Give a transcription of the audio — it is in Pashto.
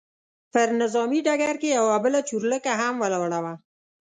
پر نظامي ډګر کې یوه بله چورلکه هم ولاړه وه.